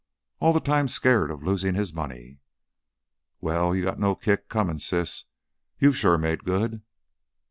All the time scared of losing his money." "Well, you got no kick coming, sis. You've sure made good."